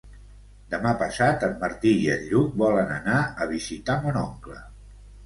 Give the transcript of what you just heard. Demà passat en Martí i en Lluc volen anar a visitar mon oncle.